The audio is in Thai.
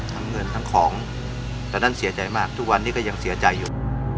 เงินทั้งของตอนนั้นเสียใจมากทุกวันนี้ก็ยังเสียใจอยู่